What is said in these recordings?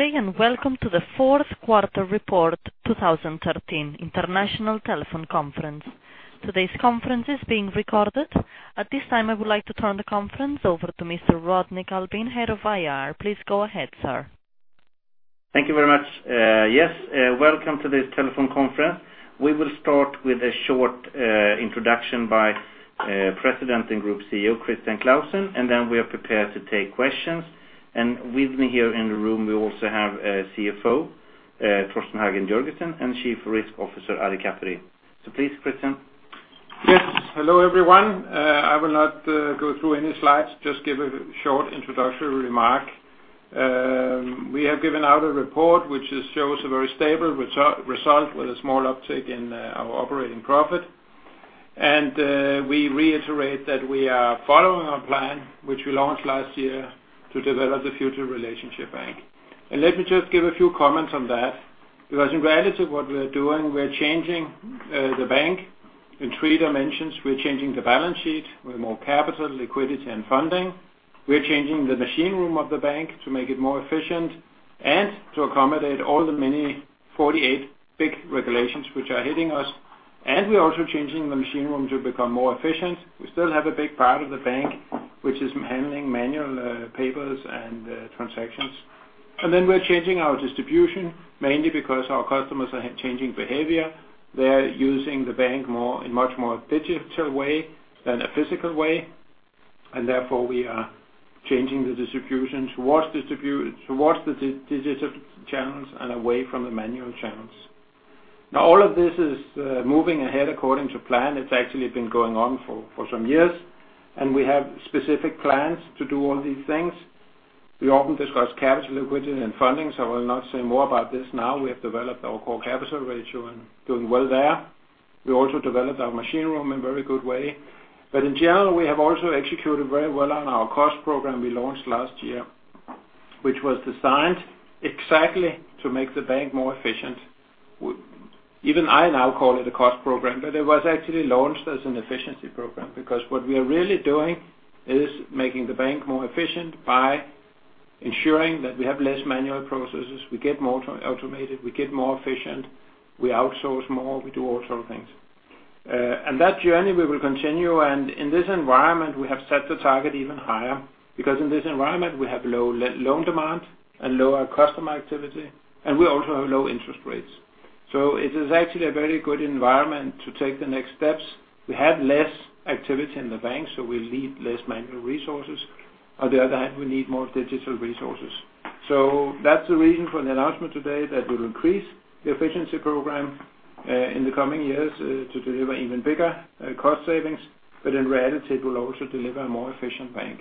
Good day, welcome to the fourth quarter report 2013 international telephone conference. Today's conference is being recorded. At this time, I would like to turn the conference over to Mr. Rodney Alfvén, Head of IR. Please go ahead, sir. Thank you very much. Welcome to this telephone conference. We will start with a short introduction by President and Group CEO, Christian Clausen. Then we are prepared to take questions. With me here in the room, we also have Group CFO, Torsten Hagen Jørgensen, and Chief Risk Officer, Ari Kaperi. Please, Christian. Hello, everyone. I will not go through any slides, just give a short introductory remark. We have given out a report which shows a very stable result with a small uptick in our operating profit. We reiterate that we are following our plan, which we launched last year, to develop the future relationship bank. Let me just give a few comments on that, because in reality what we are doing, we're changing the bank in three dimensions. We're changing the balance sheet with more capital, liquidity and funding. We're changing the machine room of the bank to make it more efficient and to accommodate all the many 48 big regulations which are hitting us. We're also changing the machine room to become more efficient. We still have a big part of the bank, which is handling manual papers and transactions. We're changing our distribution, mainly because our customers are changing behavior. They're using the bank in much more digital way than a physical way, therefore we are changing the distribution towards the digital channels and away from the manual channels. All of this is moving ahead according to plan. It's actually been going on for some years, we have specific plans to do all these things. We often discuss capital liquidity and funding, I will not say more about this now. We have developed our core capital ratio and doing well there. We also developed our machine room in very good way. In general, we have also executed very well on our cost program we launched last year, which was designed exactly to make the bank more efficient. I now call it a cost program, but it was actually launched as an efficiency program. What we are really doing is making the bank more efficient by ensuring that we have less manual processes, we get more automated, we get more efficient, we outsource more, we do all sort of things. That journey we will continue. In this environment, we have set the target even higher because in this environment we have low loan demand and lower customer activity, and we also have low interest rates. It is actually a very good environment to take the next steps. We have less activity in the bank, so we need less manual resources. On the other hand, we need more digital resources. That's the reason for the announcement today that will increase the efficiency program, in the coming years to deliver even bigger cost savings. In reality, it will also deliver a more efficient bank.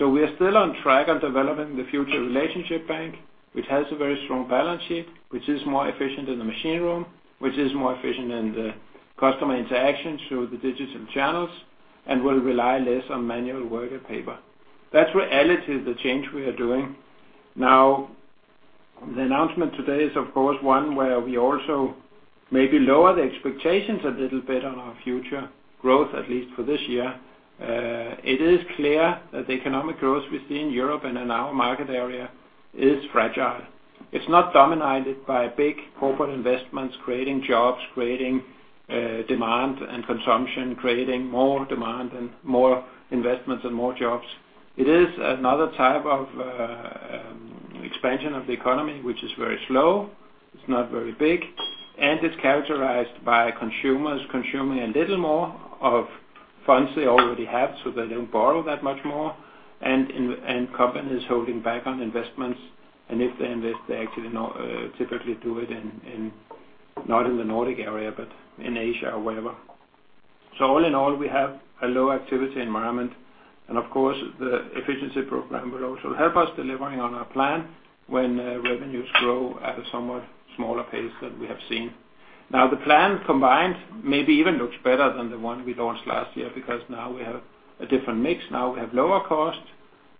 We are still on track on developing the future relationship bank, which has a very strong balance sheet, which is more efficient in the machine room, which is more efficient in the customer interactions through the digital channels, and will rely less on manual work and paper. That's reality of the change we are doing. The announcement today is of course one where we also maybe lower the expectations a little bit on our future growth, at least for this year. It is clear that the economic growth we see in Europe and in our market area is fragile. It's not dominated by big corporate investments creating jobs, creating demand and consumption, creating more demand and more investments and more jobs. It is another type of expansion of the economy, which is very slow, it's not very big, and it's characterized by consumers consuming a little more of funds they already have, so they don't borrow that much more. Companies holding back on investments. If they invest, they actually not typically do it not in the Nordic area, but in Asia or wherever. All in all, we have a low activity environment. Of course, the efficiency program will also help us delivering on our plan when revenues grow at a somewhat smaller pace than we have seen. The plan combined maybe even looks better than the one we launched last year because now we have a different mix. We have lower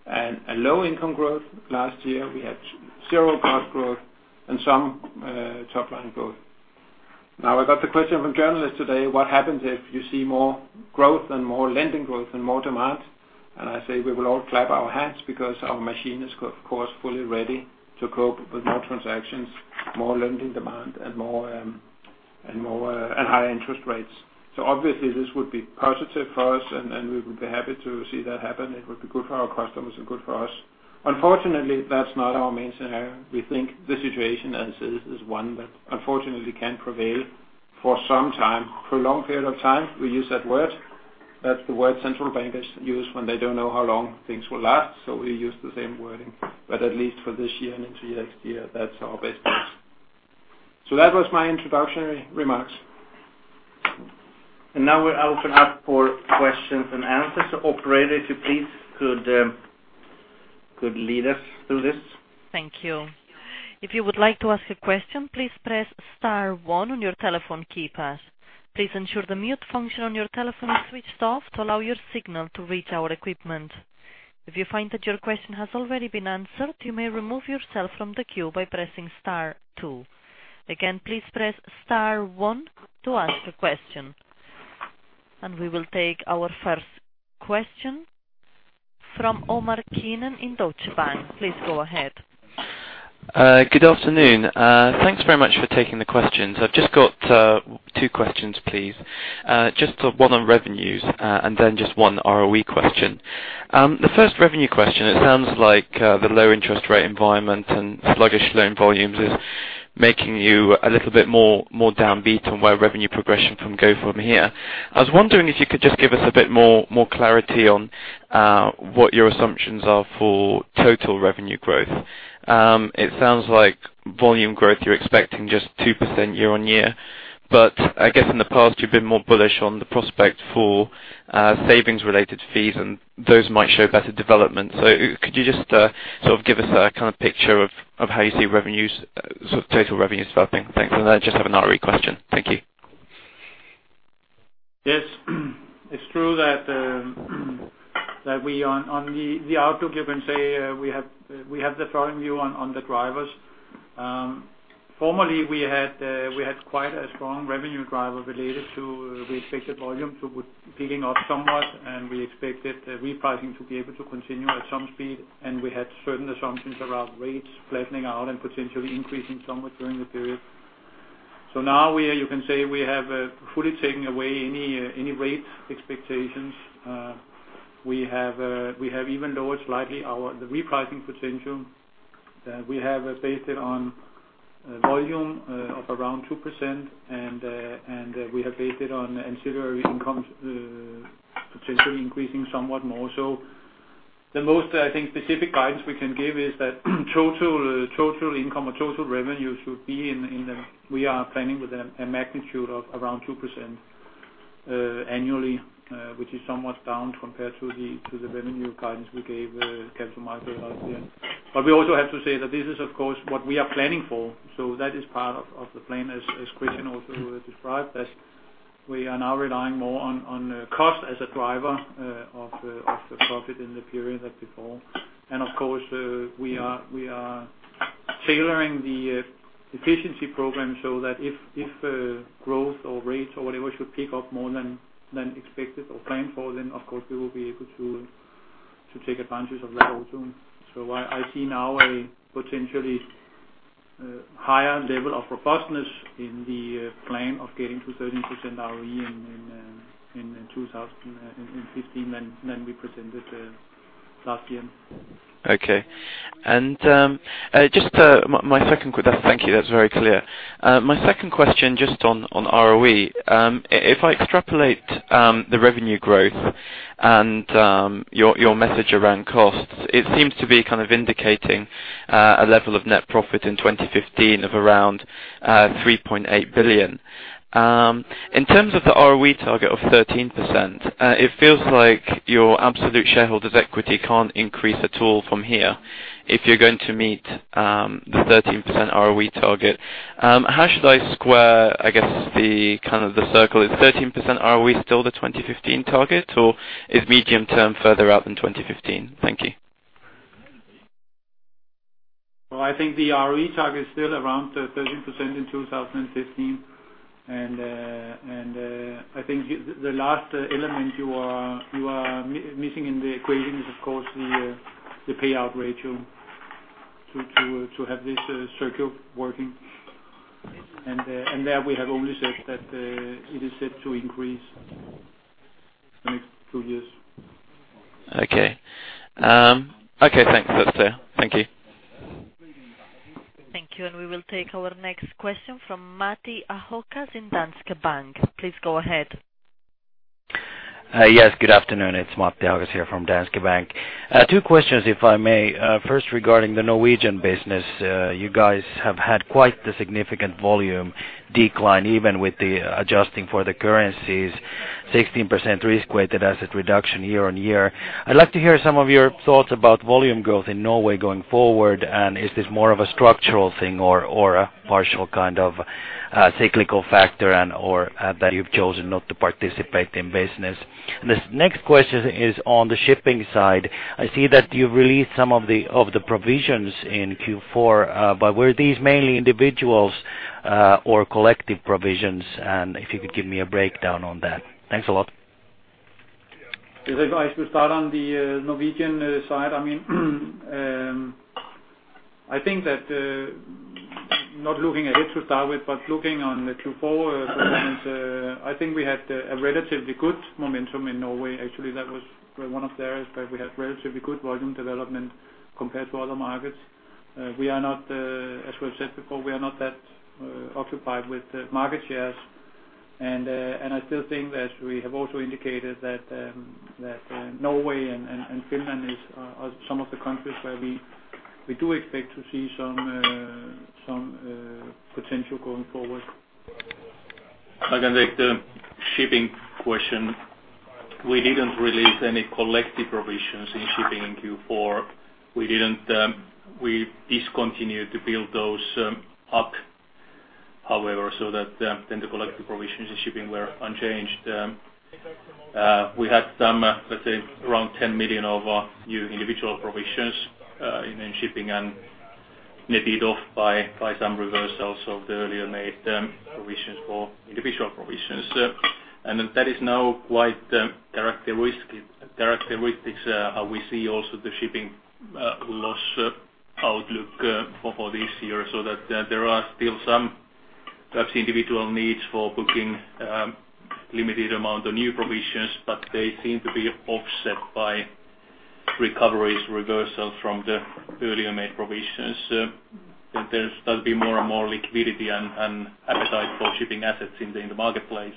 cost and a low income growth. Last year we had zero cost growth and some top-line growth. I got the question from journalists today, what happens if you see more growth and more lending growth and more demand? I say we will all clap our hands because our machine is of course fully ready to cope with more transactions, more lending demand and high interest rates. Obviously this would be positive for us and we would be happy to see that happen. It would be good for our customers and good for us. Unfortunately, that's not our main scenario. We think the situation as it is one that unfortunately can prevail for some time, for a long period of time. We use that word, that's the word central bankers use when they don't know how long things will last. We use the same wording, but at least for this year and into next year, that's our best guess. That was my introductory remarks. Now we open up for questions and answers. Operator if you please could lead us through this. Thank you. If you would like to ask a question, please press star one on your telephone keypad. Please ensure the mute function on your telephone is switched off to allow your signal to reach our equipment. If you find that your question has already been answered, you may remove yourself from the queue by pressing star two. Again, please press star one to ask a question. We will take our first question from Omar Keenan in Deutsche Bank. Please go ahead. Good afternoon. Thanks very much for taking the questions. I've just got two questions, please. Just one on revenues, then just one ROE question. The first revenue question, it sounds like the low interest rate environment and sluggish loan volumes is making you a little bit more downbeat on where revenue progression can go from here. I was wondering if you could just give us a bit more clarity on what your assumptions are for total revenue growth. It sounds like volume growth, you're expecting just 2% year-on-year. I guess in the past, you've been more bullish on the prospect for savings-related fees, and those might show better development. Could you just give us a picture of how you see total revenues developing? Thanks. Then I just have an ROE question. Thank you. Yes. It's true that on the outlook, you can say we have the following view on the drivers. Formerly, we had quite a strong revenue driver related to we expected volumes were picking up somewhat, and we expected repricing to be able to continue at some speed, and we had certain assumptions around rates flattening out and potentially increasing somewhat during the period. Now you can say we have fully taken away any rate expectations. We have even lowered slightly the repricing potential. We have based it on volume of around 2%, and we have based it on ancillary incomes potentially increasing somewhat more. The most, I think, specific guidance we can give is that total income or total revenue should be in the, we are planning with a magnitude of around 2% annually, which is somewhat down compared to the revenue guidance we gave Capital Markets last year. We also have to say that this is, of course, what we are planning for. That is part of the plan, as Christian also described, that we are now relying more on cost as a driver of the profit in the period than before. Of course, we are tailoring the efficiency program so that if growth or rates or whatever should pick up more than expected or planned for, of course, we will be able to take advantage of that also. I see now a potentially higher level of robustness in the plan of getting to 13% ROE in 2015 than we presented last year. Okay. Thank you. That's very clear. My second question, just on ROE. If I extrapolate the revenue growth and your message around costs, it seems to be kind of indicating a level of net profit in 2015 of around 3.8 billion. In terms of the ROE target of 13%, it feels like your absolute shareholders' equity can't increase at all from here if you're going to meet the 13% ROE target. How should I square, I guess, the circle? Is 13% ROE still the 2015 target, or is medium-term further out than 2015? Thank you. Well, I think the ROE target is still around 13% in 2015. I think the last element you are missing in the equation is, of course, the payout ratio to have this circle working. There we have only said that it is set to increase the next two years. Okay. Thanks. That's clear. Thank you. Thank you. We will take our next question from Matti Ahokas in Danske Bank. Please go ahead. Yes, good afternoon. It's Matti Ahokas here from Danske Bank. Two questions, if I may. First, regarding the Norwegian business. You guys have had quite the significant volume decline, even with the adjusting for the currencies, 16% risk-weighted asset reduction year-on-year. I'd like to hear some of your thoughts about volume growth in Norway going forward. Is this more of a structural thing or a partial kind of cyclical factor and/or that you've chosen not to participate in business? This next question is on the shipping side. I see that you've released some of the provisions in Q4. Were these mainly individuals or collective provisions? If you could give me a breakdown on that. Thanks a lot. If I should start on the Norwegian side, I think that not looking ahead to start with, but looking on the Q4 performance, I think we had a relatively good momentum in Norway. Actually, that was one of the areas where we had relatively good volume development compared to other markets. As we have said before, we are not that occupied with market shares. I still think that we have also indicated that Norway and Finland are some of the countries where we do expect to see some potential going forward. I can take the shipping question. We didn't release any collective provisions in shipping in Q4. We discontinued to build those up, however, so that then the collective provisions in shipping were unchanged. We had some, let's say, around 10 million of new individual provisions in shipping and netted off by some reversals of the earlier made provisions for individual provisions. That is now quite characteristics how we see also the shipping loss outlook for this year, so that there are still some perhaps individual needs for booking limited amount of new provisions, but they seem to be offset by recoveries, reversals from the earlier made provisions. There'll be more and more liquidity and appetite for shipping assets in the marketplace.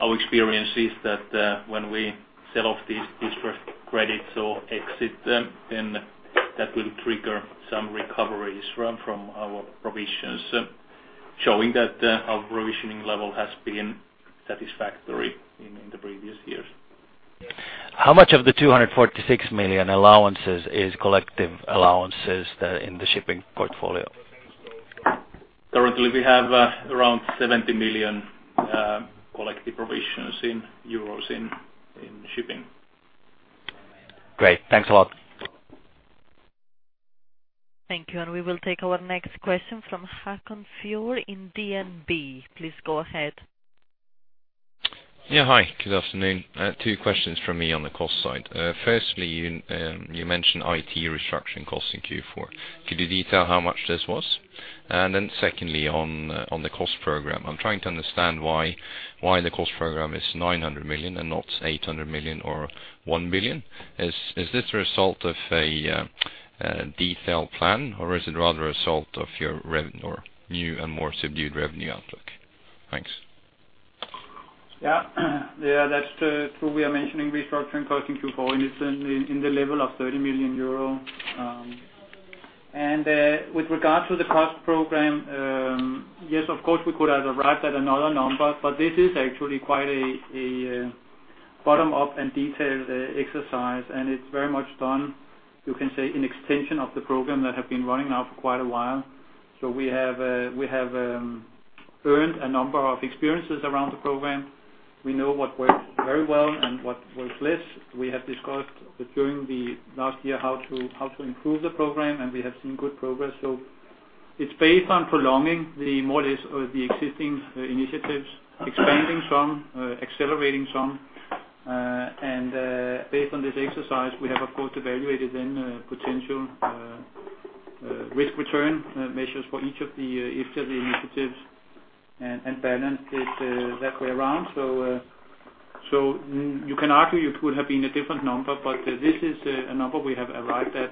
Our experience is that when we sell off these credits or exit them, then that will trigger some recoveries from our provisions, showing that our provisioning level has been satisfactory in the previous years. How much of the 246 million allowances is collective allowances in the shipping portfolio? Currently we have around 70 million collective provisions in shipping. Great. Thanks a lot. Thank you. We will take our next question from Håkan Fyr in DNB. Please go ahead. Hi, good afternoon. Two questions from me on the cost side. Firstly, you mentioned IT restructuring costs in Q4. Could you detail how much this was? Secondly, on the cost program, I am trying to understand why the cost program is 900 million and not 800 million or 1 billion. Is this a result of a detailed plan or is it rather a result of your new and more subdued revenue outlook? Thanks. Yeah. That's true. We are mentioning restructuring cost in Q4, and it's in the level of 30 million euro. With regard to the cost program, yes, of course, we could have arrived at another number, this is actually quite a bottom-up and detailed exercise, it's very much done, you can say, in extension of the program that have been running now for quite a while. We have earned a number of experiences around the program. We know what works very well and what works less. We have discussed during the last year how to improve the program, and we have seen good progress. It's based on prolonging more or less the existing initiatives, expanding some, accelerating some. Based on this exercise, we have of course evaluated then potential risk-return measures for each of the initiatives and balanced it that way around. You can argue it could have been a different number, this is a number we have arrived at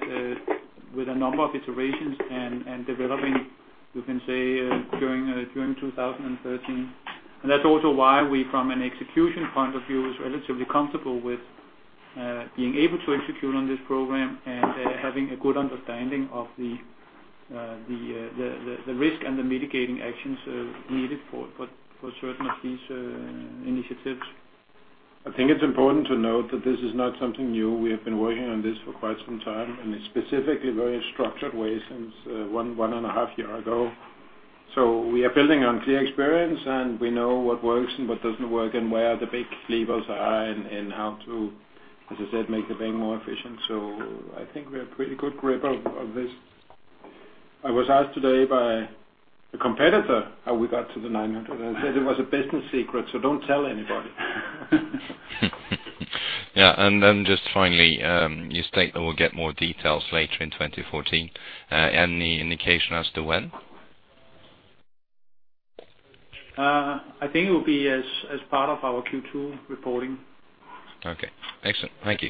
with a number of iterations and developing, you can say, during 2013. That's also why we, from an execution point of view, is relatively comfortable with being able to execute on this program and having a good understanding of the risk and the mitigating actions needed for certain of these initiatives. I think it's important to note that this is not something new. We have been working on this for quite some time, specifically very structured way since one and a half year ago. We are building on clear experience, we know what works and what doesn't work, where the big levers are and how to, as I said, make the bank more efficient. I think we have pretty good grip of this. I was asked today by a competitor how we got to the 900. I said it was a business secret, don't tell anybody. Yeah. Then just finally, you state that we'll get more details later in 2014. Any indication as to when? I think it will be as part of our Q2 reporting. Okay. Excellent. Thank you.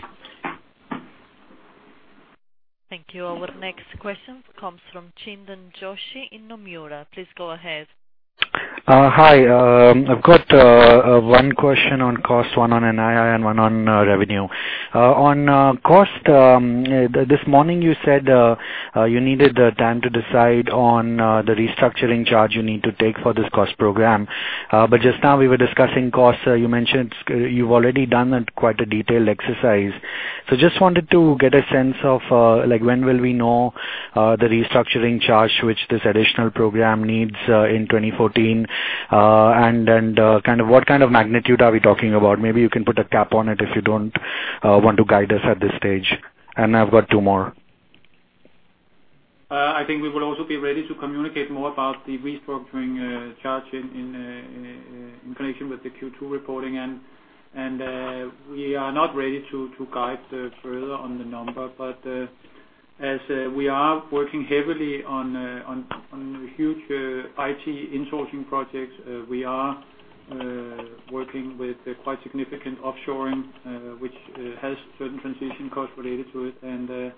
Thank you. Our next question comes from Chintan Joshi in Nomura. Please go ahead. Hi. I've got one question on cost, one on NII, and one on revenue. On cost, this morning you said you needed time to decide on the restructuring charge you need to take for this cost program. Just now we were discussing costs. You mentioned you've already done quite a detailed exercise. Just wanted to get a sense of when will we know the restructuring charge which this additional program needs in 2014? What kind of magnitude are we talking about? Maybe you can put a cap on it if you don't want to guide us at this stage. I've got two more. I think we will also be ready to communicate more about the restructuring charge in connection with the Q2 reporting. We are not ready to guide further on the number. As we are working heavily on a huge IT insourcing project, we are working with quite significant offshoring, which has certain transition costs related to it.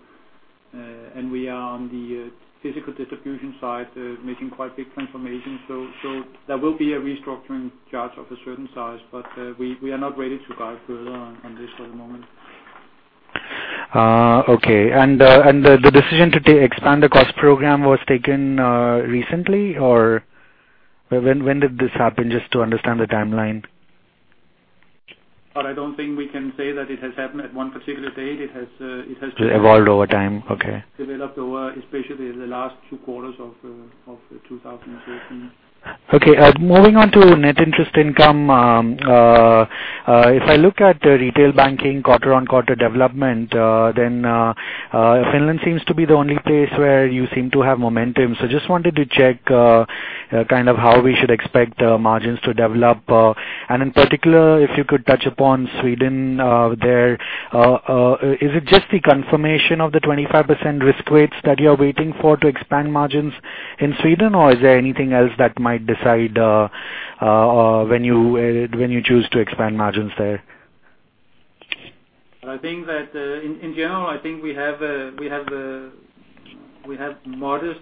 We are on the physical distribution side, making quite big transformations. There will be a restructuring charge of a certain size, but we are not ready to guide further on this for the moment. Okay. The decision to expand the cost program was taken recently or when did this happen? Just to understand the timeline. I don't think we can say that it has happened at one particular date. It has Evolved over time. Okay developed over, especially the last two quarters of 2013. Okay. Moving on to net interest income. If I look at retail banking quarter-on-quarter development, Finland seems to be the only place where you seem to have momentum. Just wanted to check how we should expect lending margins to develop. In particular, if you could touch upon Sweden there. Is it just the confirmation of the 25% mortgage risk weight that you're waiting for to expand lending margins in Sweden, or is there anything else that might decide when you choose to expand lending margins there? In general, I think we have modest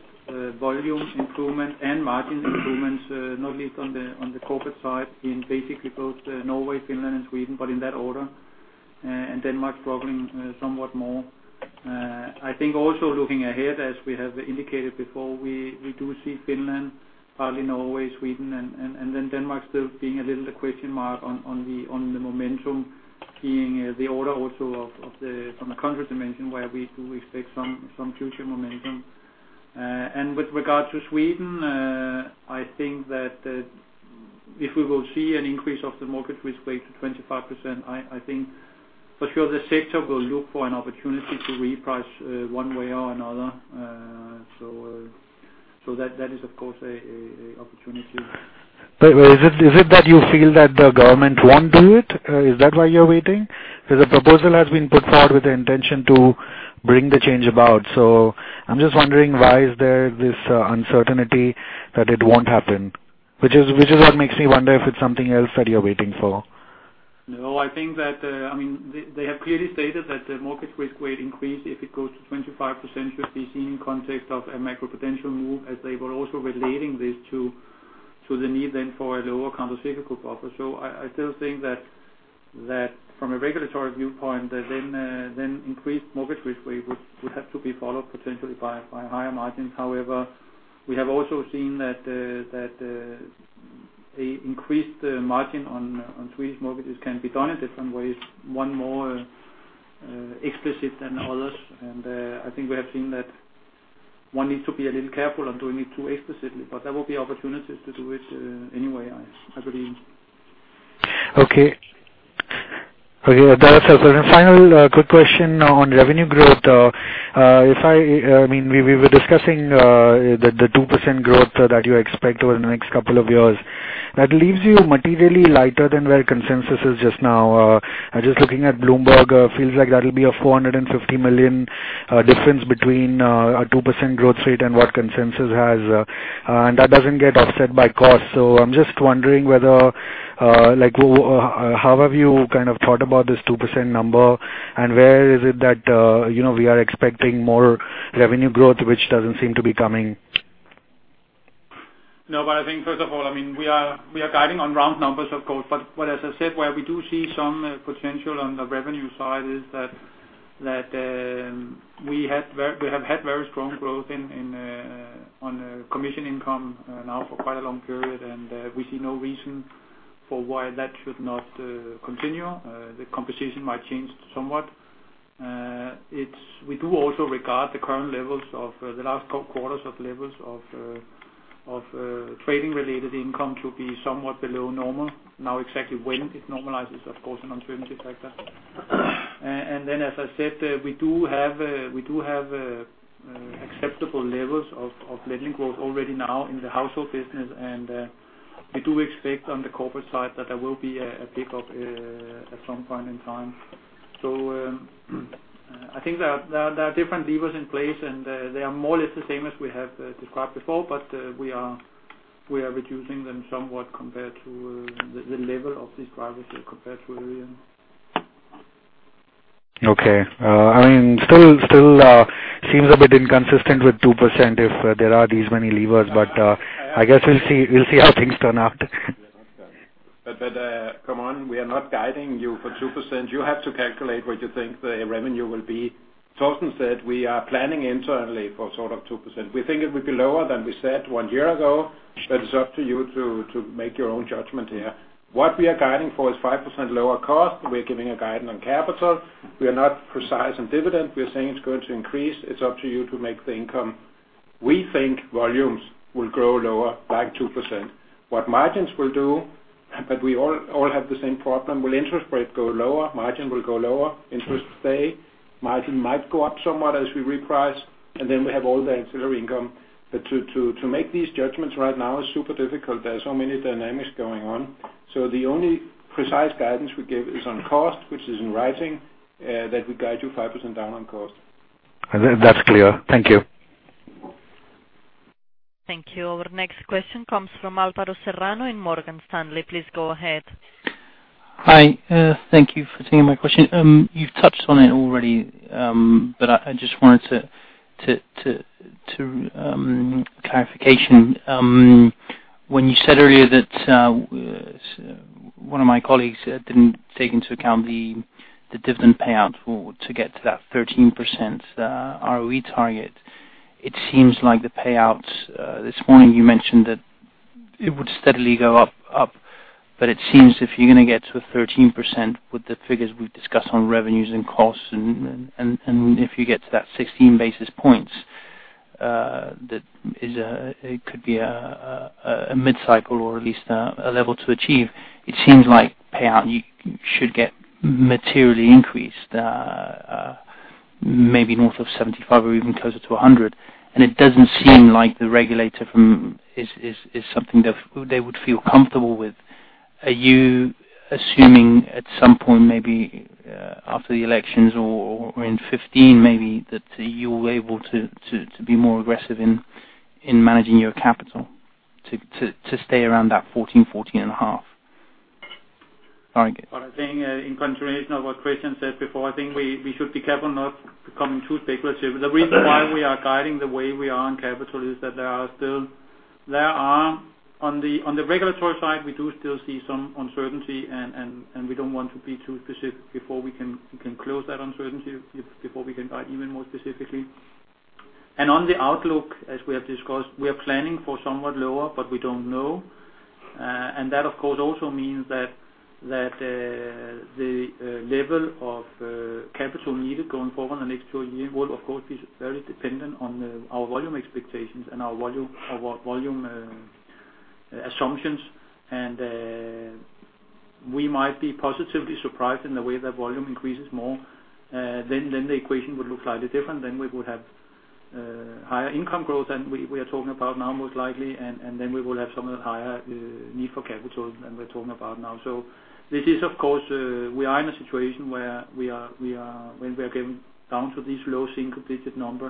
volume improvement and margin improvements, not least on the corporate side in basically both Norway, Finland, and Sweden, in that order. Denmark struggling somewhat more. I think also looking ahead, as we have indicated before, we do see Finland, partly Norway, Sweden, and Denmark still being a little the question mark on the momentum being the order also from a country dimension where we do expect some future momentum. With regard to Sweden, I think that if we will see an increase of the mortgage risk weight to 25%, I think for sure the sector will look for an opportunity to reprice one way or another. That is of course an opportunity. Is it that you feel that the government won't do it? Is that why you're waiting? A proposal has been put forward with the intention to bring the change about. I'm just wondering why is there this uncertainty that it won't happen, which is what makes me wonder if it's something else that you're waiting for. They have clearly stated that the mortgage risk weight increase, if it goes to 25%, should be seen in context of a macro potential move, as they were also relating this to the need then for a lower countercyclical buffer. I still think that from a regulatory viewpoint, then increased mortgage risk weight would have to be followed potentially by higher margins. However, we have also seen that the increased margin on Swedish mortgages can be done in different ways, one more explicit than others. I think we have seen that one needs to be a little careful on doing it too explicitly, but there will be opportunities to do it anyway, I believe. Okay. That was helpful. Final quick question on revenue growth. We were discussing the 2% growth that you expect over the next couple of years. That leaves you materially lighter than where consensus is just now. Just looking at Bloomberg, feels like that'll be a 450 million difference between a 2% growth rate and what consensus has. That doesn't get offset by cost. I'm just wondering how have you thought about this 2% number, and where is it that we are expecting more revenue growth, which doesn't seem to be coming? I think first of all, we are guiding on round numbers, of course. As I said, where we do see some potential on the revenue side is that we have had very strong growth on commission income now for quite a long period, we see no reason for why that should not continue. The composition might change somewhat. We do also regard the current levels of the last quarters of levels of trading-related income to be somewhat below normal. Exactly when it normalizes, of course, an uncertainty factor. As I said, we do have acceptable levels of lending growth already now in the household business, we do expect on the corporate side that there will be a pickup at some point in time. I think there are different levers in place, they are more or less the same as we have described before, we are reducing them somewhat compared to the level of these drivers compared to earlier. Okay. Still seems a bit inconsistent with 2% if there are these many levers, I guess we'll see how things turn out. Come on, we are not guiding you for 2%. You have to calculate what you think the revenue will be. Torsten said we are planning internally for sort of 2%. We think it will be lower than we said one year ago, it's up to you to make your own judgment here. What we are guiding for is 5% lower cost. We are giving a guide on capital. We are not precise on dividend. We are saying it's going to increase. It's up to you to make the income. We think volumes will grow lower, like 2%. What margins will do, we all have the same problem. Will interest rate go lower, margin will go lower. Interest stay, margin might go up somewhat as we reprice, we have all the ancillary income. To make these judgments right now is super difficult. There are so many dynamics going on. The only precise guidance we give is on cost, which is in rising, that we guide you 5% down on cost. That's clear. Thank you. Thank you. Our next question comes from Alvaro Serrano in Morgan Stanley. Please go ahead. Hi. Thank you for taking my question. You've touched on it already, but I just wanted clarification. When you said earlier that one of my colleagues didn't take into account the dividend payout to get to that 13% ROE target, it seems like the payouts, this morning you mentioned that it would steadily go up. It seems if you're going to get to 13% with the figures we've discussed on revenues and costs, and if you get to that 16 basis points, it could be a mid-cycle or at least a level to achieve. It seems like payout should get materially increased, maybe north of 75% or even closer to 100%. It doesn't seem like the regulator is something they would feel comfortable with. Are you assuming at some point, maybe after the elections or in 2015, that you're able to be more aggressive in managing your capital to stay around that 14%-14.5%? I think in continuation of what Christian said before, I think we should be careful not becoming too speculative. The reason why we are guiding the way we are on capital is that there are still, on the regulatory side, we do still see some uncertainty, and we don't want to be too specific before we can close that uncertainty, before we can guide even more specifically. On the outlook, as we have discussed, we are planning for somewhat lower, but we don't know. That, of course, also means that the level of capital needed going forward in the next two years will, of course, be very dependent on our volume expectations and our volume assumptions. We might be positively surprised in the way that volume increases more. The equation would look slightly different. We would have higher income growth than we are talking about now, most likely. We will have somewhat higher need for capital than we're talking about now. This is, of course, we are in a situation where when we are getting down to this low single-digit number,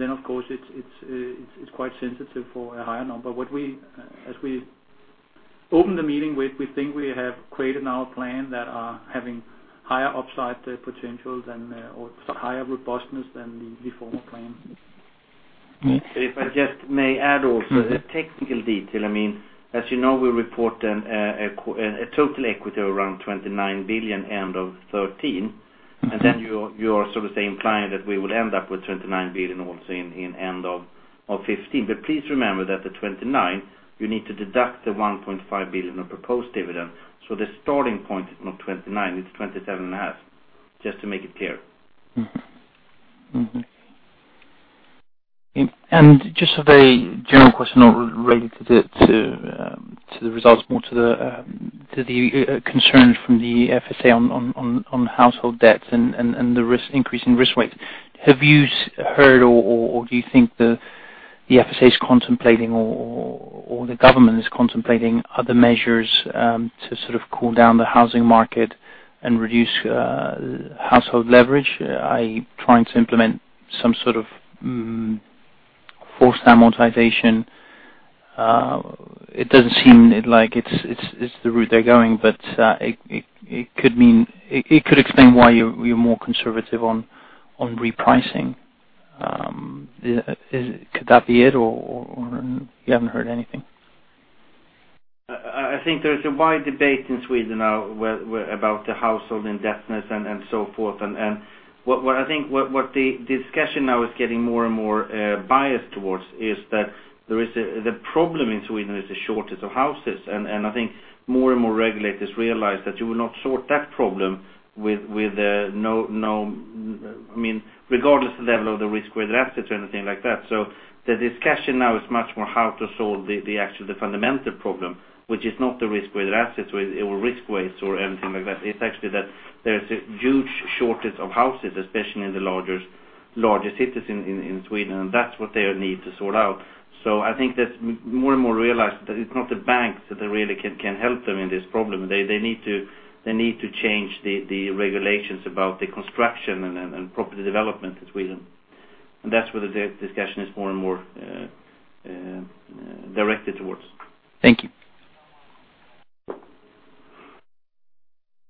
of course it's quite sensitive for a higher number. As we opened the meeting with, we think we have created now a plan that are having higher upside potential or higher robustness than the former plan. If I just may add also a technical detail. As you know, we report a total equity around 29 billion end of 2013. You are sort of saying client, that we would end up with 29 billion also in end of 2015. Please remember that the 29, you need to deduct the 1.5 billion of proposed dividend. The starting point is not 29, it's 27 and a half, just to make it clear. Just a general question, not related to the results, more to the concern from the FSA on household debts and the increase in risk weights. Have you heard or do you think the FSA is contemplating or the government is contemplating other measures to sort of cool down the housing market and reduce household leverage, i.e., trying to implement some sort of forced amortization? It doesn't seem like it's the route they're going, but it could explain why you're more conservative on repricing. Could that be it, or you haven't heard anything? I think there is a wide debate in Sweden now about the household indebtedness and so forth. What I think what the discussion now is getting more and more biased towards is that the problem in Sweden is the shortage of houses. I think more and more regulators realize that you will not sort that problem regardless of the level of the risk-weighted assets or anything like that. The discussion now is much more how to solve the actual, the fundamental problem, which is not the risk-weighted assets or risk weights or anything like that. It's actually that there is a huge shortage of houses, especially in the larger cities in Sweden, and that's what they need to sort out. I think that more and more realize that it's not the banks that really can help them in this problem. They need to change the regulations about the construction and property development in Sweden. That's where the discussion is more and more directed towards. Thank you.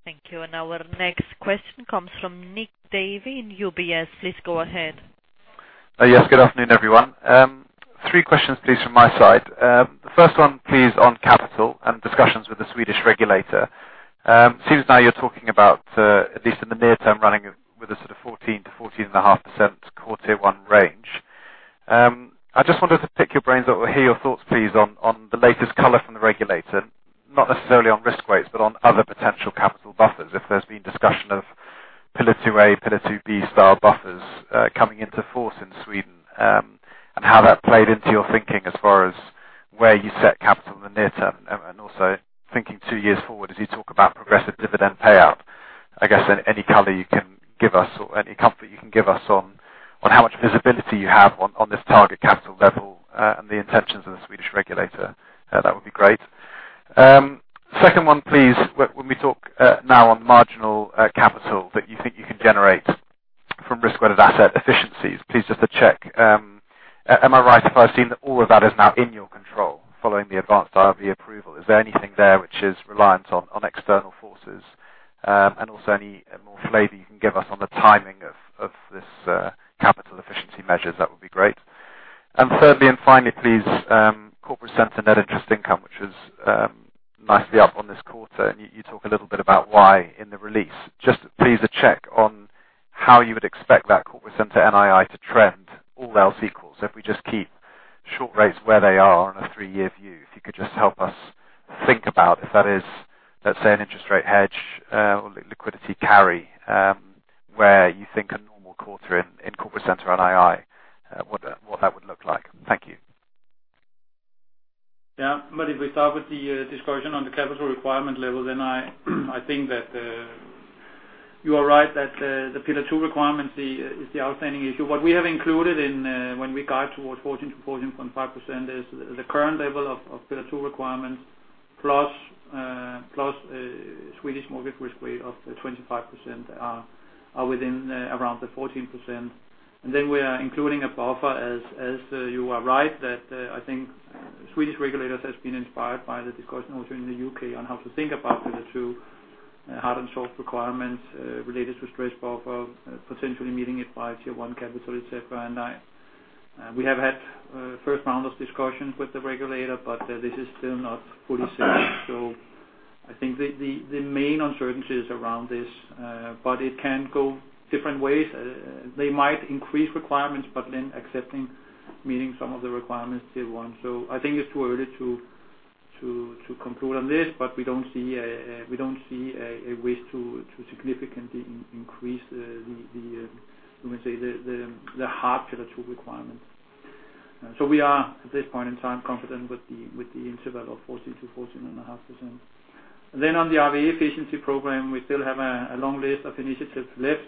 Thank you. Our next question comes from Nick Davey in UBS. Please go ahead. Yes. Good afternoon, everyone. 3 questions, please, from my side. First one, please, on capital and discussions with the Swedish regulator. It seems now you're talking about, at least in the near term, running with a sort of 14%-14.5% Core Tier 1 range. I just wanted to pick your brains or hear your thoughts, please, on the latest color from the regulator. Not necessarily on risk weights, but on other potential capital buffers, if there's been discussion of Pillar 2A, Pillar 2B-style buffers coming into force in Sweden. How that played into your thinking as far as where you set capital in the near term. Also thinking 2 years forward as you talk about progressive dividend payout, I guess any color you can give us or any comfort you can give us on how much visibility you have on this target capital level and the intentions of the Swedish regulator, that would be great. Second one, please. When we talk now on marginal capital that you think you can generate from risk-weighted asset efficiencies, please just to check. Am I right if I've seen that all of that is now in your control following the advanced IRB approval? Is there anything there which is reliant on external forces? Also any more flavor you can give us on the timing of this capital efficiency measures, that would be great. Thirdly and finally, please, corporate center Net Interest Income, which is nicely up on this quarter, and you talk a little bit about why in the release. Just please a check on how you would expect that corporate center NII to trend all else equals if we just keep short rates where they are on a 3-year view. If you could just help us think about if that is, let's say, an interest rate hedge or liquidity carry, where you think a normal quarter in corporate center on NII, what that would look like. Thank you. Yeah. If we start with the discussion on the capital requirement level, then I think that you are right that the Pillar 2 requirement is the outstanding issue. What we have included when we guide towards 14%-14.5% is the current level of Pillar 2 requirements plus Swedish mortgage risk weight of 25% are within around the 14%. Then we are including a buffer, as you are right, that I think Swedish regulators has been inspired by the discussion also in the U.K. on how to think about Pillar 2 hard and soft requirements related to stress buffer, potentially meeting it by Tier 1 capital, et cetera. We have had first round of discussions with the regulator, but this is still not fully set. I think the main uncertainty is around this, but it can go different ways. They might increase requirements, accepting meeting some of the requirements Tier 1. I think it's too early to conclude on this, but we don't see a wish to significantly increase the hard Pillar 2 requirements. We are, at this point in time, confident with the interval of 14%-14.5%. On the RWA efficiency program, we still have a long list of initiatives left.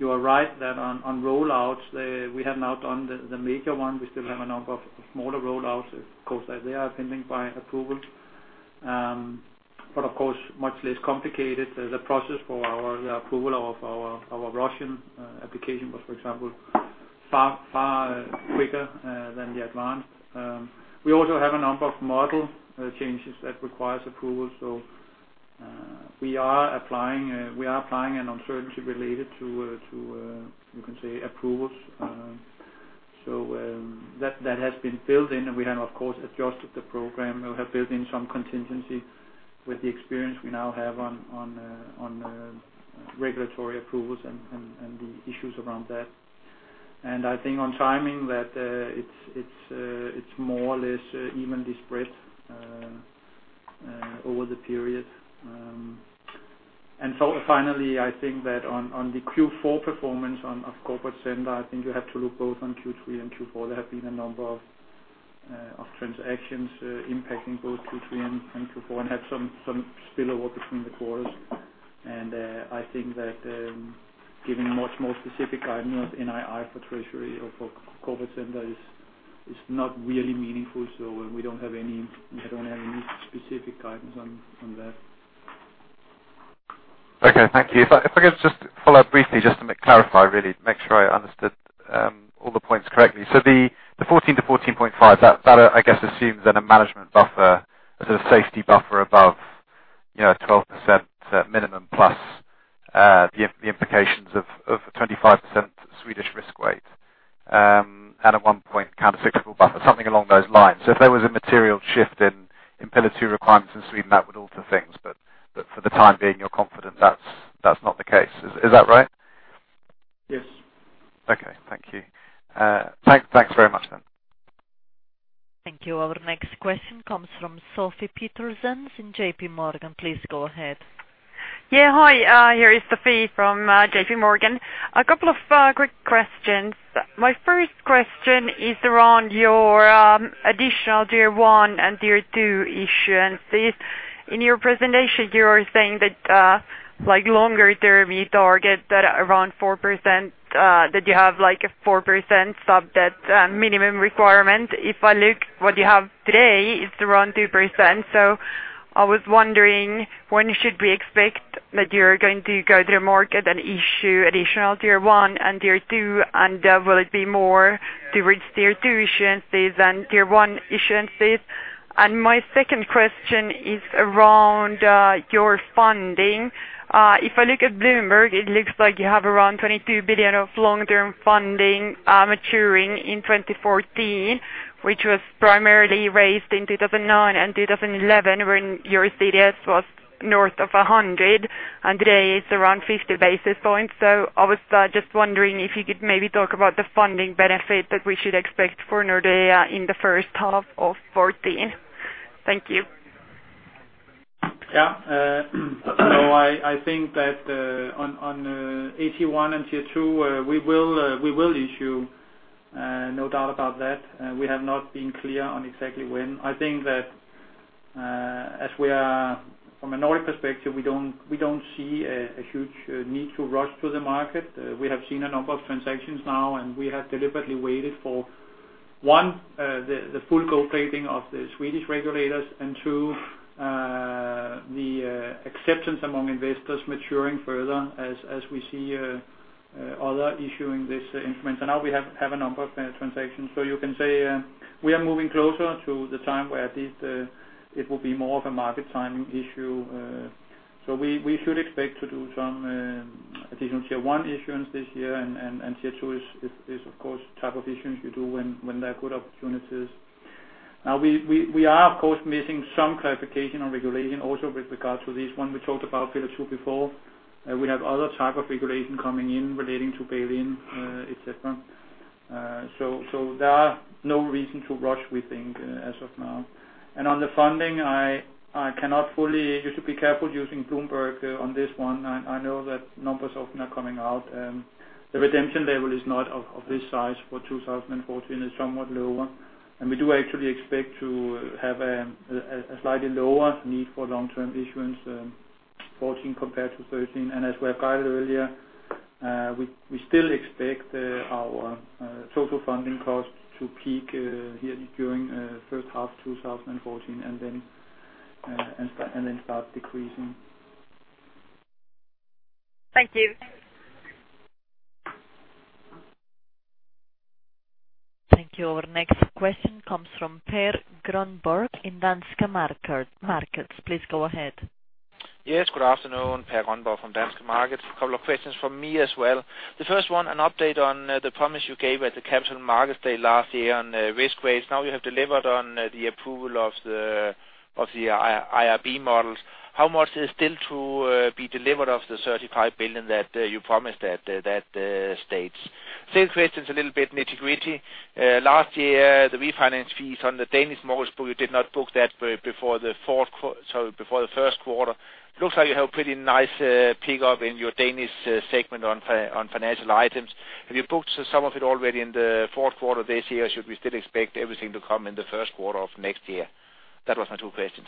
You are right that on rollouts, we have now done the major one. We still have a number of smaller rollouts, of course, as they are pending by approval. But of course, much less complicated. The process for our approval of our Russian application was, for example, far quicker than the Advanced. We also have a number of model changes that requires approval. We are applying an uncertainty related to approvals. That has been built in, and we have, of course, adjusted the program. We have built in some contingency with the experience we now have on regulatory approvals and the issues around that. I think on timing that it's more or less evenly spread over the period. Finally, I think that on the Q4 performance of corporate center, I think you have to look both on Q3 and Q4. There have been a number of transactions impacting both Q3 and Q4 and had some spill-over between the quarters. I think that giving much more specific guidance NII for treasury or for corporate center is not really meaningful. We don't have any specific guidance on that. Okay. Thank you. If I could just follow up briefly just to clarify, really make sure I understood all the points correctly. The 14%-14.5%, that I guess assumes that a management buffer, a sort of safety buffer above 12% minimum plus the implications of 25% Swedish risk weight. And at one point, countercyclical buffer, something along those lines. If there was a material shift in Pillar 2 requirements in Sweden, that would alter things. For the time being, you're confident that's not the case. Is that right? Yes. Okay. Thank you. Thanks very much then. Thank you. Our next question comes from Sophie Peterson in J.P. Morgan. Please go ahead. Hi, here is Sophie from J.P. Morgan. A couple of quick questions. My first question is around your additional Tier 1 and Tier 2 issuances. In your presentation, you are saying that longer term you target that around 4%, that you have a 4% sub-debt minimum requirement. If I look what you have today is around 2%. I was wondering when should we expect that you're going to go to the market and issue additional Tier 1 and Tier 2, and will it be more towards Tier 2 issuances than Tier 1 issuances? My second question is around your funding. If I look at Bloomberg, it looks like you have around 22 billion of long-term funding maturing in 2014, which was primarily raised in 2009 and 2011 when your CDS was north of 100, and today it's around 50 basis points. I was just wondering if you could maybe talk about the funding benefit that we should expect for Nordea in the first half of 2014. Thank you. I think that on AT1 and Tier 2, we will issue, no doubt about that. We have not been clear on exactly when. I think that from a Nordic perspective, we don't see a huge need to rush to the market. We have seen a number of transactions now, and we have deliberately waited for one, the [full go paving] of the Swedish regulators, and two, the acceptance among investors maturing further as we see other issuing this instrument. Now we have a number of transactions. You can say we are moving closer to the time where at least it will be more of a market timing issue. We should expect to do some additional Tier 1 issuance this year, Tier 2 is of course type of issuance you do when there are good opportunities. We are, of course, missing some clarification on regulation also with regards to this one. We talked about Pillar 2 before. We have other type of regulation coming in relating to bail-in, et cetera. There are no reason to rush, we think, as of now. On the funding, you should be careful using Bloomberg on this one. I know that numbers often are coming out. The redemption level is not of this size for 2014, is somewhat lower. We do actually expect to have a slightly lower need for long-term issuance in 2014 compared to 2013. As we applied earlier, we still expect our total funding cost to peak here during first half 2014, and then start decreasing. Thank you. Thank you. Our next question comes from Per Grønborg in Danske Markets. Please go ahead. Yes, good afternoon. Per Grønborg from Danske Markets. A couple of questions from me as well. The first one, an update on the promise you gave at the Capital Markets Day last year on risk weights. Now you have delivered on the approval of the IRB models. How much is still to be delivered of the 35 billion that you promised at that stage? Second question is a little bit nitty-gritty. Last year, the refinance fees on the Danish mortgage book, you did not book that before the first quarter. Looks like you have pretty nice pick-up in your Danish segment on financial items. Have you booked some of it already in the fourth quarter of this year, or should we still expect everything to come in the first quarter of next year? That was my two questions.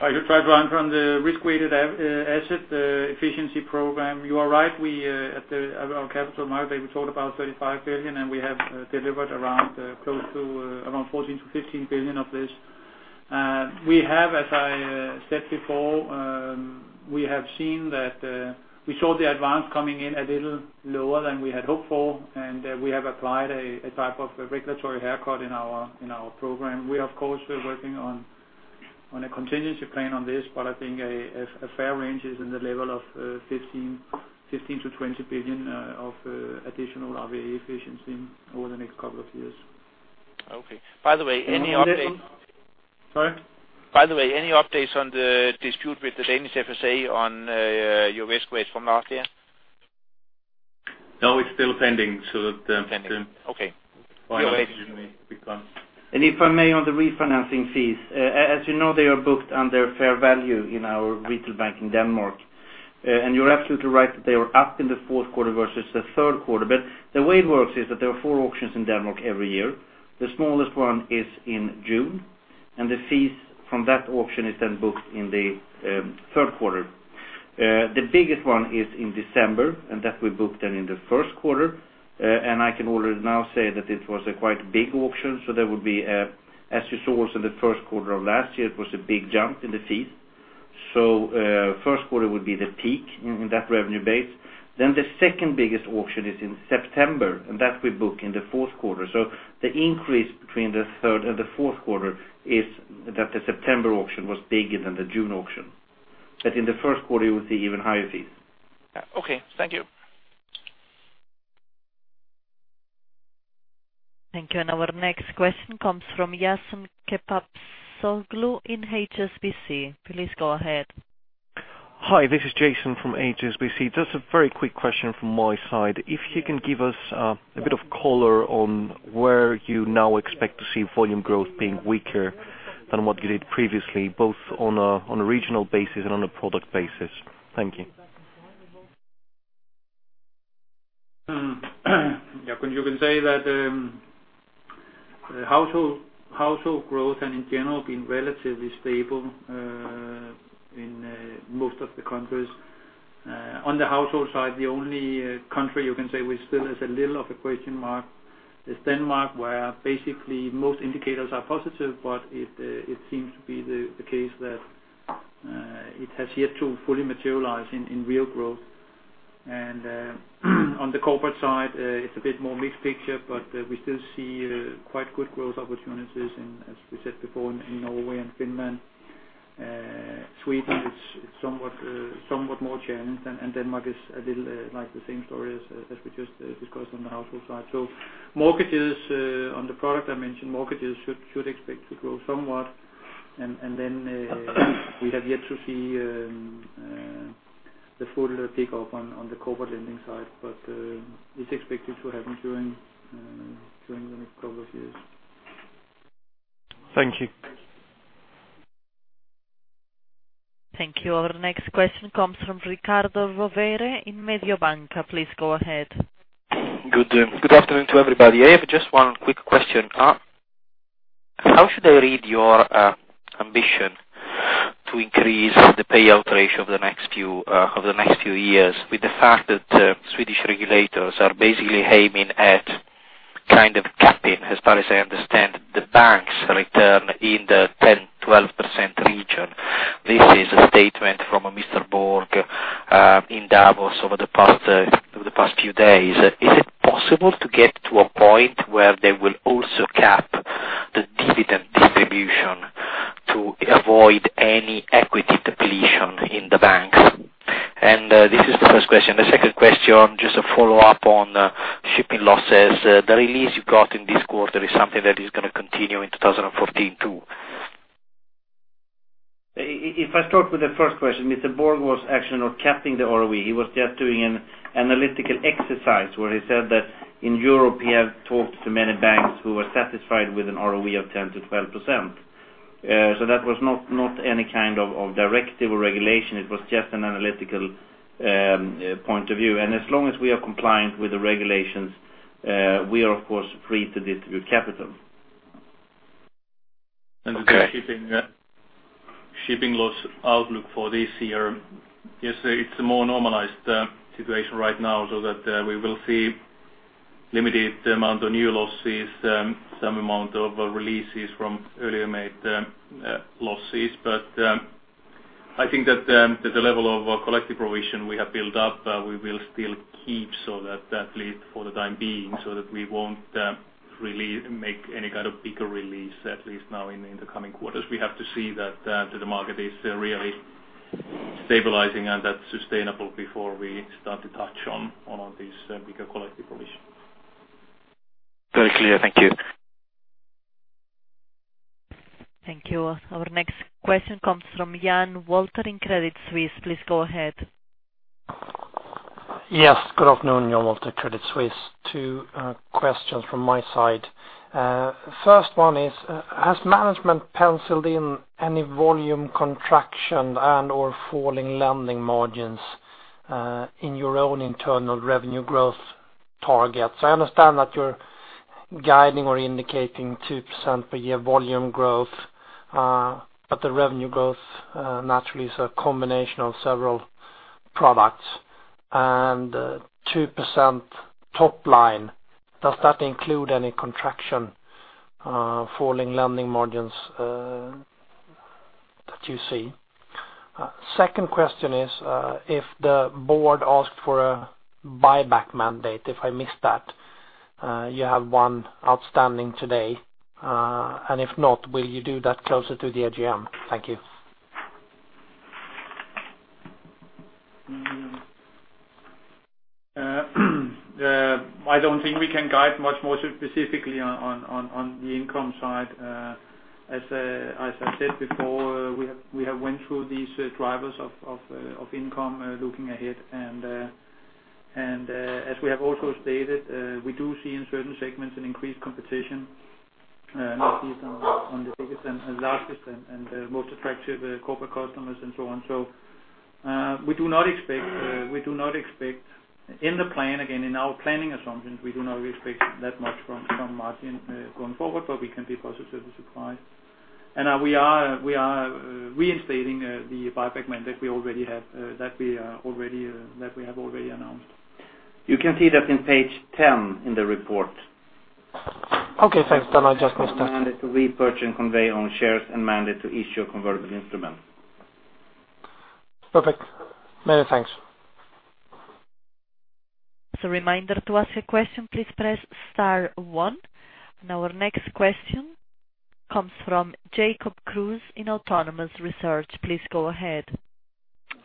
I could try to answer on the risk-weighted asset efficiency program. You are right, at our Capital Markets Day, we talked about 35 billion, and we have delivered around close to EUR 14 billion-EUR 15 billion of this. As I said before, we saw the advance coming in a little lower than we had hoped for, and we have applied a type of regulatory haircut in our program. We, of course, we are working on a contingency plan on this, but I think a fair range is in the level of 15 billion-20 billion of additional RWA efficiency over the next couple of years. Okay. Sorry? By the way, any updates on the dispute with the Danish FSA on your risk weight from last year? No, it's still pending. Pending. Okay. If I may, on the refinancing fees, as you know, they are booked under fair value in our retail bank in Denmark. You're absolutely right that they were up in the fourth quarter versus the third quarter. The way it works is that there are four auctions in Denmark every year. The smallest one is in June, and the fees from that auction is then booked in the third quarter. The biggest one is in December, and that we book then in the first quarter. I can already now say that it was a quite big auction, so there would be, as you saw also the first quarter of last year, it was a big jump in the fees. First quarter would be the peak in that revenue base. The second biggest auction is in September, and that we book in the fourth quarter. The increase between the third and the fourth quarter is that the September auction was bigger than the June auction. In the first quarter, you will see even higher fees. Yeah. Okay. Thank you. Thank you. Our next question comes from Jason Kepaptsoglou in HSBC. Please go ahead. Hi, this is Jason from HSBC. Just a very quick question from my side. If you can give us a bit of color on where you now expect to see volume growth being weaker than what you did previously, both on a regional basis and on a product basis. Thank you. You can say that household growth and in general been relatively stable in most of the countries. On the household side, the only country you can say which still has a little of a question mark is Denmark, where basically most indicators are positive, but it seems to be the case that it has yet to fully materialize in real growth. On the corporate side, it's a bit more mixed picture, but we still see quite good growth opportunities in, as we said before, in Norway and Finland. Sweden, it's somewhat more challenged, and Denmark is a little like the same story as we just discussed on the household side. On the product I mentioned, mortgages should expect to grow somewhat, we have yet to see the full pick-up on the corporate lending side. It's expected to happen during the next couple of years. Thank you. Thank you. Our next question comes from Riccardo Rovere in Mediobanca. Please go ahead. Good afternoon to everybody. I have just one quick question. How should I read your ambition to increase the payout ratio over the next few years with the fact that Swedish regulators are basically aiming at kind of capping, as far as I understand, the bank's return in the 10%-12% region. This is a statement from Mr. Borg in Davos over the past few days. Is it possible to get to a point where they will also cap the dividend distribution? Avoid any equity depletion in the banks. This is the first question. The second question, just a follow-up on shipping losses. The release you got in this quarter is something that is going to continue in 2014 too. If I start with the first question, Mr. Borg was actually not capping the ROE. He was just doing an analytical exercise where he said that in Europe, he has talked to many banks who were satisfied with an ROE of 10%-12%. That was not any kind of directive or regulation. It was just an analytical point of view. As long as we are compliant with the regulations, we are, of course, free to distribute capital. Okay. The shipping loss outlook for this year, it's a more normalized situation right now so that we will see limited amount of new losses, some amount of releases from earlier made losses. I think that the level of collective provision we have built up, we will still keep. At least for the time being, so that we won't really make any kind of bigger release, at least now in the coming quarters. We have to see that the market is really stabilizing and that's sustainable before we start to touch on this bigger collective provision. Very clear. Thank you. Thank you. Our next question comes from Jan Wolter in Credit Suisse. Please go ahead. Yes, good afternoon. Jan Wolter, Credit Suisse. Two questions from my side. First one is, has management penciled in any volume contraction and/or falling lending margins in your own internal revenue growth targets? I understand that you're guiding or indicating 2% per year volume growth, but the revenue growth naturally is a combination of several products. 2% top line, does that include any contraction falling lending margins that you see? Second question is, if the board asked for a buyback mandate, if I missed that, you have one outstanding today. If not, will you do that closer to the AGM? Thank you. I don't think we can guide much more specifically on the income side. As I said before, we have went through these drivers of income looking ahead. As we have also stated, we do see in certain segments an increased competition, not least on the biggest and largest and most attractive corporate customers and so on. We do not expect in the plan, again, in our planning assumptions, we do not expect that much from margin going forward, but we can be positive with supply. We are reinstating the buyback mandate that we have already announced. You can see that in page 10 in the report. Okay, thanks. I just missed that. Mandate to repurchase and convey own shares and mandate to issue a convertible instrument. Perfect. Many thanks. As a reminder to ask a question, please press star one. Our next question comes from Jacob Kruse in Autonomous Research. Please go ahead.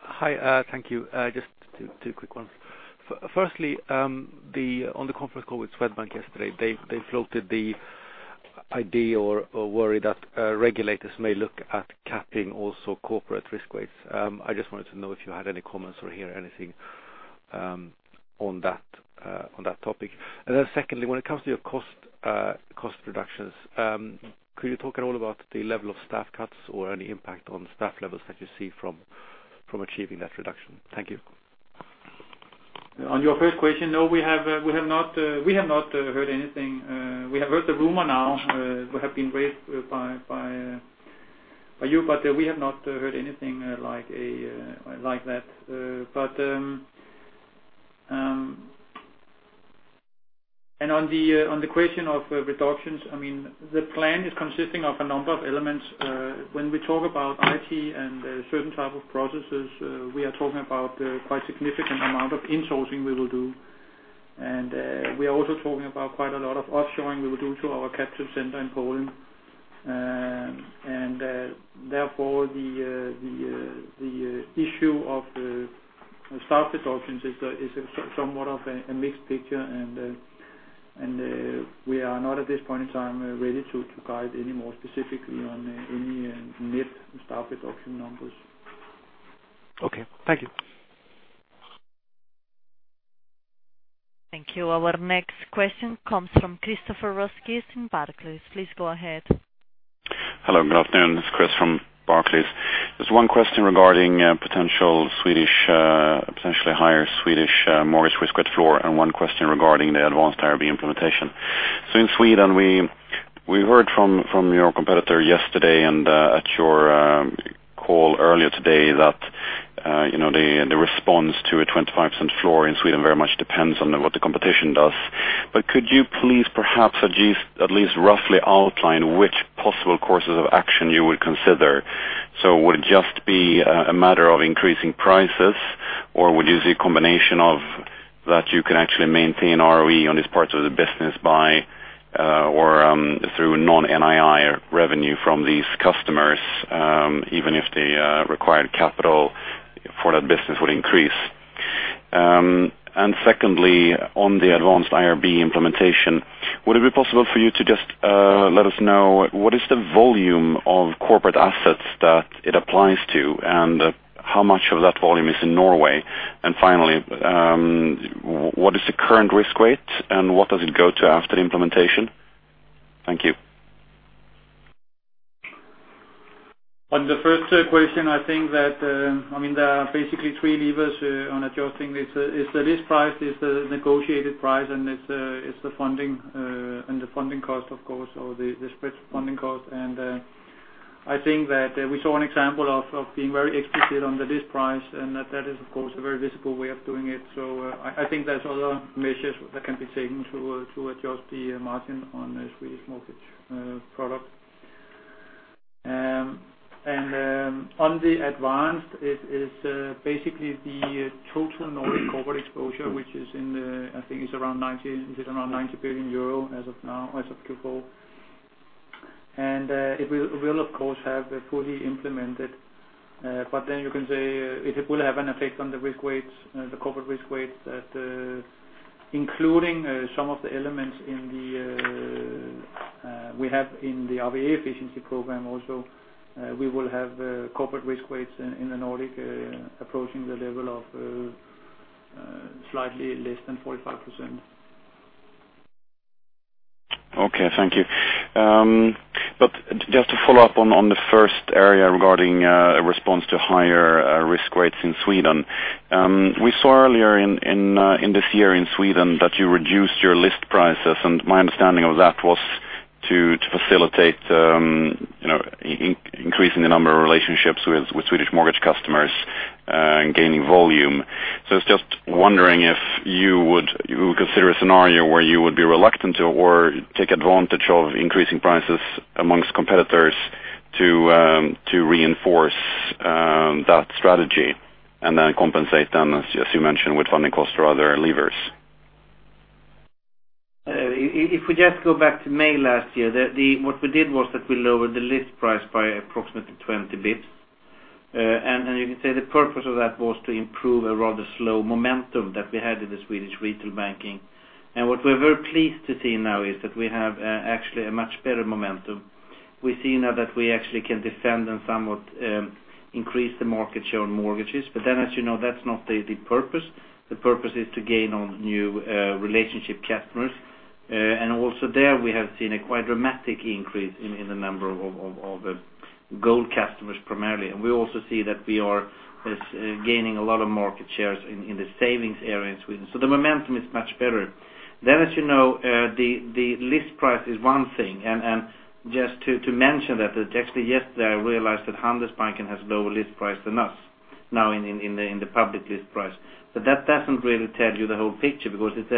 Hi. Thank you. Just two quick ones. Firstly, on the conference call with Swedbank yesterday, they floated the idea or worry that regulators may look at capping also corporate risk weights. I just wanted to know if you had any comments or hear anything on that topic. Secondly, when it comes to your cost reductions, could you talk at all about the level of staff cuts or any impact on staff levels that you see from achieving that reduction? Thank you. On your first question, no, we have not heard anything. We have heard the rumor now, who have been raised by you, but we have not heard anything like that. On the question of reductions, the plan is consisting of a number of elements. When we talk about IT and certain type of processes, we are talking about quite significant amount of insourcing we will do. We are also talking about quite a lot of offshoring we will do to our capture center in Poland. Therefore the issue of staff reductions is somewhat of a mixed picture, and we are not at this point in time ready to guide any more specifically on any net staff reduction numbers. Okay. Thank you. Thank you. Our next question comes from Christopher Roskis in Barclays. Please go ahead. Hello. Good afternoon. It's Chris from Barclays. There is one question regarding potentially higher Swedish mortgage risk weight floor and one question regarding the advanced IRB implementation. In Sweden, we heard from your competitor yesterday and at your call earlier today that the response to a 25% floor in Sweden very much depends on what the competition does. Could you please perhaps at least roughly outline which possible courses of action you would consider? Would it just be a matter of increasing prices, or would you see a combination of that you can actually maintain ROE on these parts of the business through non-NII revenue from these customers, even if the required capital for that business would increase. Secondly, on the advanced IRB implementation, would it be possible for you to just let us know what is the volume of corporate assets that it applies to, and how much of that volume is in Norway? Finally, what is the current risk weight and what does it go to after the implementation? Thank you. On the first question, I think that there are basically three levers on adjusting this. It's the list price, it's the negotiated price, and it's the funding cost, of course, or the spread funding cost. I think that we saw an example of being very explicit on the list price, and that is, of course, a very visible way of doing it. I think there's other measures that can be taken to adjust the margin on a Swedish mortgage product. On the advanced, it is basically the total Nordic corporate exposure, which is around 90 billion euro as of now, as of Q4. It will, of course, have it fully implemented. You can say it will have an effect on the risk weights, the corporate risk weights, including some of the elements we have in the RWA efficiency program also. We will have corporate risk weights in the Nordic approaching the level of slightly less than 45%. Okay, thank you. Just to follow up on the first area regarding a response to higher risk weights in Sweden. We saw earlier in this year in Sweden that you reduced your list prices, and my understanding of that was to facilitate increasing the number of relationships with Swedish mortgage customers and gaining volume. I was just wondering if you would consider a scenario where you would be reluctant or take advantage of increasing prices amongst competitors to reinforce that strategy and then compensate them, as you mentioned, with funding costs or other levers. If we just go back to May last year, what we did was that we lowered the list price by approximately 20 basis points. You can say the purpose of that was to improve a rather slow momentum that we had in the Swedish retail banking. What we're very pleased to see now is that we have actually a much better momentum. We see now that we actually can defend and somewhat increase the market share on mortgages. That's not the purpose. The purpose is to gain on new relationship customers. Also there we have seen a quite dramatic increase in the number of gold customers primarily. We also see that we are gaining a lot of market shares in the savings area in Sweden. The momentum is much better. As you know, the list price is one thing, and just to mention that actually yesterday I realized that Handelsbanken has lower list price than us now in the public list price. That doesn't really tell you the whole picture because it's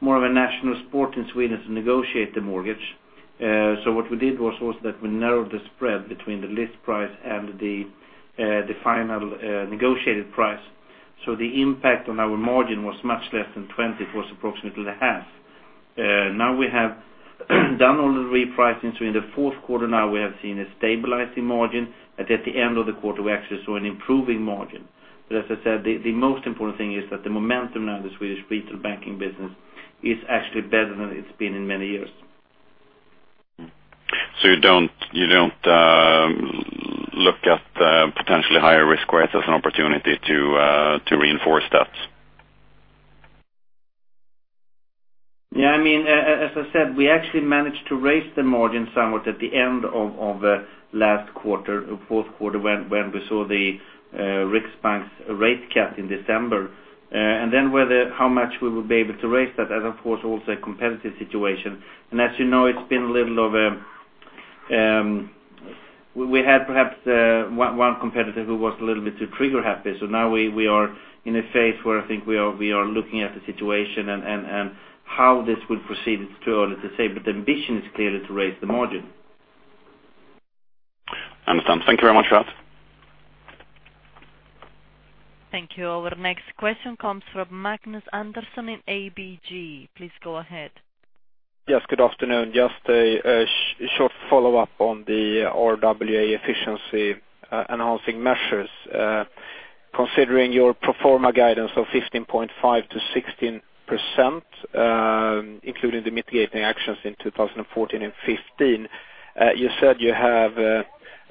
more of a national sport in Sweden to negotiate the mortgage. What we did was that we narrowed the spread between the list price and the final negotiated price. The impact on our margin was much less than 20. It was approximately half. Now we have done all the repricing. In the fourth quarter now we have seen a stabilizing margin, and at the end of the quarter, we actually saw an improving margin. As I said, the most important thing is that the momentum now in the Swedish retail banking business is actually better than it's been in many years. You don't look at potentially higher risk weights as an opportunity to reinforce that? As I said, we actually managed to raise the margin somewhat at the end of last quarter, fourth quarter, when we saw the Riksbank's rate cut in December. How much we will be able to raise that as, of course, also a competitive situation. As you know, we had perhaps one competitor who was a little bit too trigger happy. Now we are in a phase where I think we are looking at the situation, and how this will proceed is too early to say, but the ambition is clearly to raise the margin. Understand. Thank you very much, Rodney Alfvén. Thank you. Our next question comes from Magnus Andersson in ABG. Please go ahead. Yes, good afternoon. Just a short follow-up on the RWA efficiency enhancing measures. Considering your pro forma guidance of 15.5%-16%, including the mitigating actions in 2014 and 2015, you said you have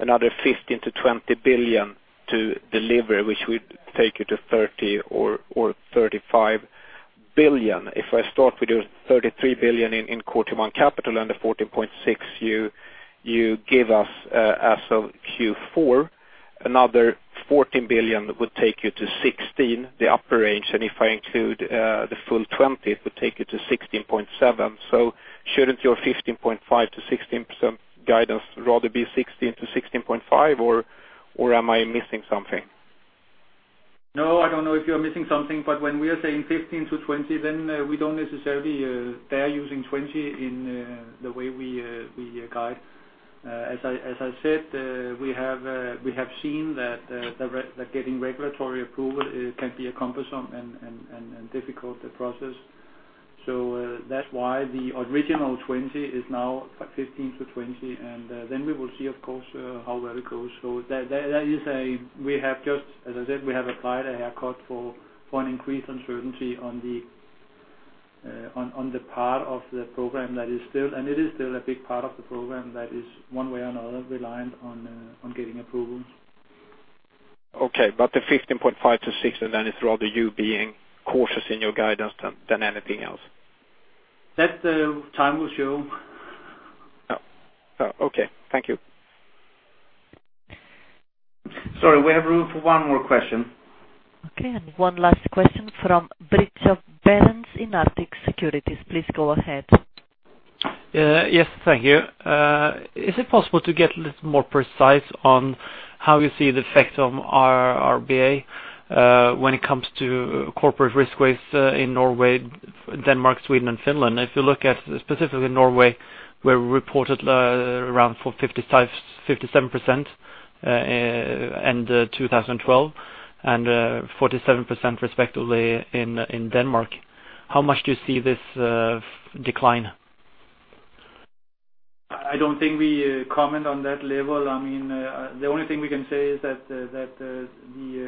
another 15 billion-20 billion to deliver, which would take you to 30 billion or 35 billion. If I start with your 33 billion in Core Tier 1 capital and the 14.6% you gave us as of Q4, another 14 billion would take you to 16%, the upper range. If I include the full 20 billion, it would take you to 16.7%. Shouldn't your 15.5%-16% guidance rather be 16%-16.5% or am I missing something? No, I don't know if you're missing something. When we are saying 15 billion-20 billion, we don't necessarily bear using 20 billion in the way we guide. As I said, we have seen that getting regulatory approval can be a cumbersome and difficult process. That's why the original 20 billion is now 15 billion-20 billion. We will see, of course, how well it goes. As I said, we have applied a haircut for an increased uncertainty on the part of the program that is still. It is still a big part of the program that is one way or another reliant on getting approvals. Okay, but the 15.5 to 16, then it's rather you being cautious in your guidance than anything else. That, time will show. Okay. Thank you. Sorry, we have room for one more question. Okay, one last question from Britz Berns in Arctic Securities. Please go ahead. Yes, thank you. Is it possible to get a little more precise on how you see the effect of AIRB when it comes to corporate risk weights in Norway, Denmark, Sweden and Finland? If you look at specifically Norway, where we reported around 57% in 2012 and 47% respectively in Denmark. How much do you see this decline? I don't think we comment on that level. The only thing we can say is that the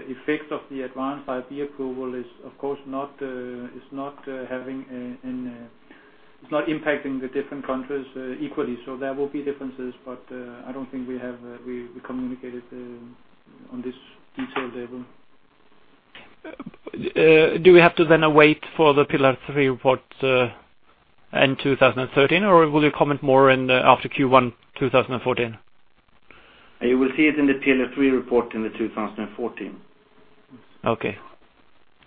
effect of the advanced IRB approval is not impacting the different countries equally. There will be differences, but I don't think we communicated on this detailed level. Do we have to then wait for the Pillar 3 report in 2013, or will you comment more after Q1 2014? You will see it in the Pillar 3 report in the 2014. Okay.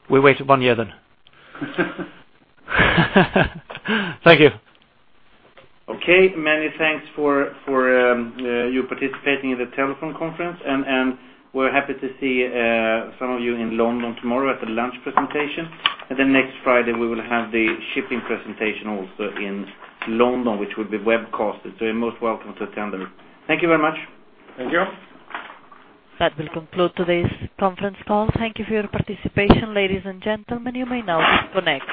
We wait one year then. Thank you. Okay, many thanks for you participating in the telephone conference. We're happy to see some of you in London tomorrow at the lunch presentation. Next Friday, we will have the shipping presentation also in London, which will be webcasted. You're most welcome to attend it. Thank you very much. Thank you. That will conclude today's conference call. Thank you for your participation, ladies and gentlemen. You may now disconnect.